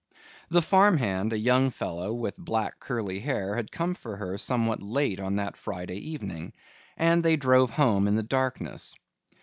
The farm hand, a young fellow with black curly hair, had come for her somewhat late on that Friday evening and they drove home in the darkness.